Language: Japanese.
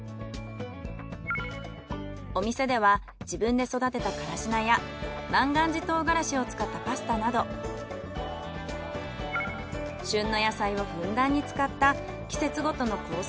お店では自分で育てたからし菜や万願寺とうがらしを使ったパスタなど旬の野菜をふんだんに使った季節ごとのコース